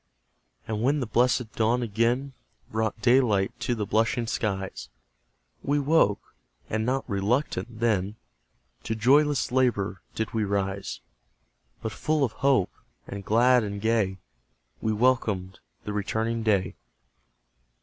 And when the blessed dawn again Brought daylight to the blushing skies, We woke, and not RELUCTANT then, To joyless LABOUR did we rise; But full of hope, and glad and gay, We welcomed the returning day.